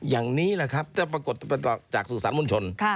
อย่างนี้แหละครับจะปรากฏจากสื่อสารมวลชน